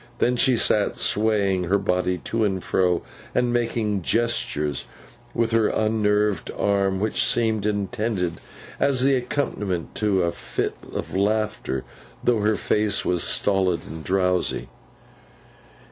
Then she sat swaying her body to and fro, and making gestures with her unnerved arm, which seemed intended as the accompaniment to a fit of laughter, though her face was stolid and drowsy.